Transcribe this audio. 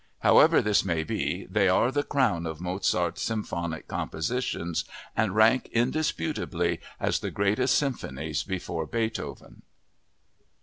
However this may be, they are the crown of Mozart's symphonic compositions and rank indisputably as the greatest symphonies before Beethoven.